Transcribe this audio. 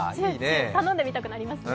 頼んでみたくなりますね。